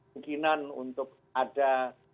mungkinan untuk ada